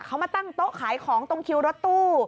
เขามาตั้งโต๊ะขายของตรงคิวรถตู้